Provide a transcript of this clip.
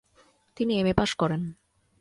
তিনি M A pass করেন।